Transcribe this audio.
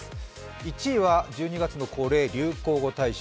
１位は１２月の恒例、流行語大賞。